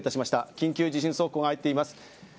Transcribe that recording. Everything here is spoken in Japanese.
緊急地震速報が入っています。